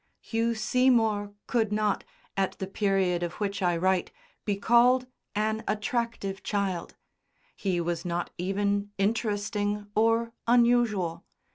Hugh Seymour could not, at the period of which I write, be called an attractive child; he was not even "interesting" or "unusual."